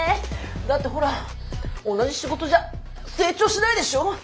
だってほら同じ仕事じゃ成長しないでしょ？